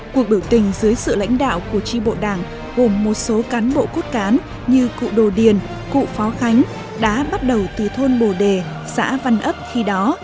cuộc biểu tình dưới sự lãnh đạo của tri bộ đảng gồm một số cán bộ cốt cán như cụ đồ điền cụ phó khánh đã bắt đầu từ thôn bồ đề xã văn ấp khi đó